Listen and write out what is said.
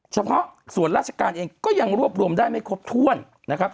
เฉพาะส่วนราชการเองก็ยังรวบรวมได้ไม่ครบถ้วนนะครับ